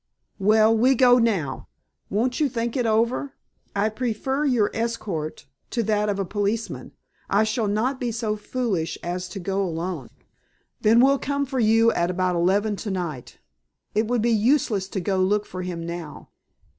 "Well, we go now." "Won't you think it over?" "I prefer your escort to that of a policeman. I shall not be so foolish as to go alone." "Then we'll come for you at about eleven tonight. It would be useless to go look for him now.